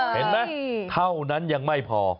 เห็นไหมเท่านั้นยังไม่พอ